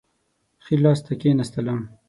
ښي لاس ته کښېنستلم.